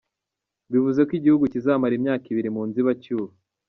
Bivuze ko igihugu kizamara imyaka ibiri mu nzibacyuho.